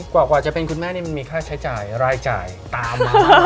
กว่าจะเป็นคุณแม่นี่มันมีค่าใช้จ่ายรายจ่ายตามมา